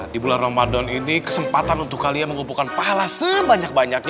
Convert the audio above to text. di bulan ramadan ini kesempatan untuk kalian mengumpulkan pahala sebanyak banyaknya